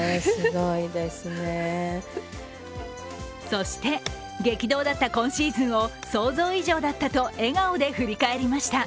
そして激動だった今シーズンを想像以上だったと笑顔で振り返りました。